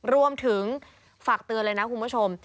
รวมถึงฝากเตือนเลยนะคุณผู้ชม